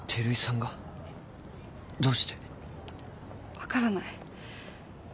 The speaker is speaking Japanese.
分からない。